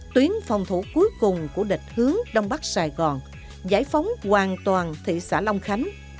tuyến phòng thủ cuối cùng của địch hướng đông bắc sài gòn giải phóng hoàn toàn thị xã long khánh